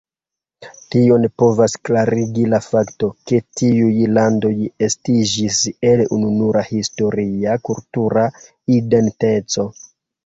Tion povas klarigi la fakto, ke tiuj landoj estiĝis el ununura historia kultura identeco.